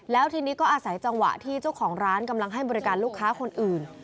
แล้วทีนี้ก็อาศัยจังหวะที่เจ้าของร้านกำลังให้บริการลูกค้าคนอื่น